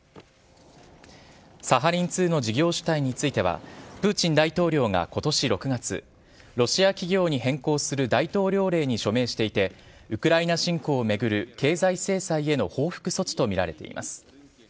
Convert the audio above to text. サハリン２の事業主体についてはプーチン大統領が今年６月ロシア企業に変更する大統領令に署名していてウクライナ侵攻を巡る経済制裁への報復措置とみられています。